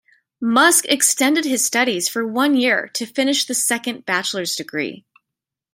Musk extended his studies for one year to finish the second bachelor's degree.